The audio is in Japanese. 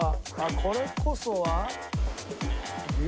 これこそは牛革。